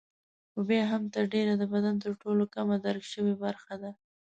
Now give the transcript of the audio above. خو بیا هم تر ډېره د بدن تر ټولو کمه درک شوې برخه ده.